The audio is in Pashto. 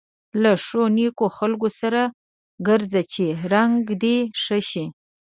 له ښو نېکو خلکو سره ګرځه چې رنګه دې ښه شي.